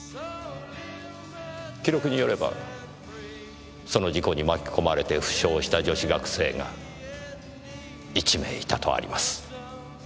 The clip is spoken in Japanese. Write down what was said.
記録によればその事故に巻き込まれて負傷した女子学生が１名いたとあります。